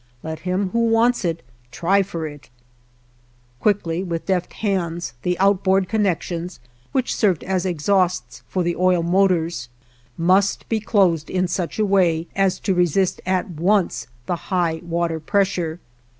Let him who wants it, try for it! Quickly, with deft hands, the outboard connections, which served as exhausts for the oil motors, must be closed in such a way as to resist at once the high water pressure.